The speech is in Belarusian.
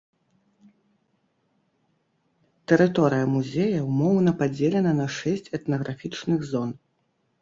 Тэрыторыя музея ўмоўна падзелена на шэсць этнаграфічных зон.